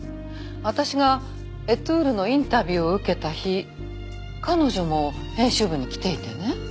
私が『エトゥール』のインタビューを受けた日彼女も編集部に来ていてね。